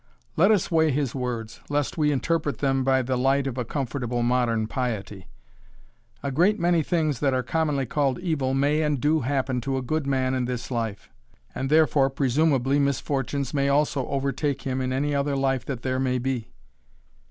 Let us weigh his words, lest we interpret them by the light of a comfortable modern piety. A great many things that are commonly called evil may and do happen to a good man in this life, and therefore presumably misfortunes may also overtake him in any other life that there may be.